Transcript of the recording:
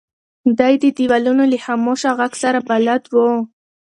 دی د دیوالونو له خاموشه غږ سره بلد و.